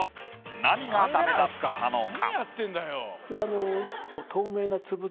何がダメだったのか？